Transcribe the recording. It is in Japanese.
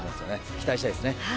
期待したいです。